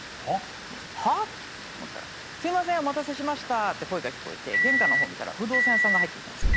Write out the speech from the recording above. はっ？と思ったら「すいませんお待たせしました」って声が聞こえて玄関の方見たら不動産屋さんが入ってきたんすよ。